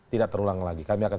tidak terulang lagi kami akan